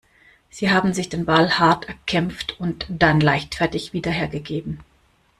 Sie haben sich den Ball hart erkämpft und dann leichtfertig wieder hergegeben.